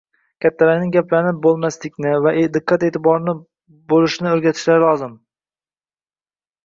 kattalarning gaplarini bo‘lmaslikni va diqqat-eʼtiborli bo‘lishni o‘rgatishlari lozim.